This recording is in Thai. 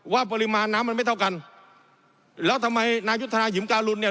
ปริมาณน้ำมันไม่เท่ากันแล้วทำไมนายุทธนายิมการุลเนี่ย